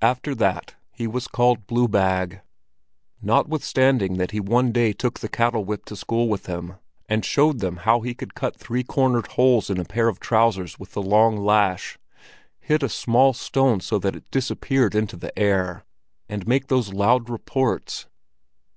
After that he was called Blue bag, notwithstanding that he one day took the cattle whip to school with him and showed them how he could cut three cornered holes in a pair of trousers with the long lash, hit a small stone so that it disappeared into the air, and make those loud reports.